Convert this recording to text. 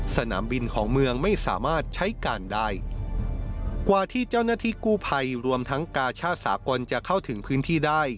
สนามบินของเมืองไม่สามารถใช้การได้กว่าที่เจ้าหน้าที่กู้ภัยรวมทั้งกาชาติสากลจะเข้าถึงพื้นที่ได้